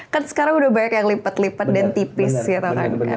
kan sekarang udah banyak yang lipat lipat dan tipis gitu kan